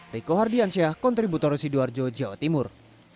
riko hardiansyah kontributor sidoarjo jawa timur